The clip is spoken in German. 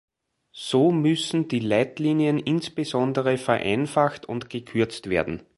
So müssen die Leitlinien insbesondere vereinfacht und gekürzt werden.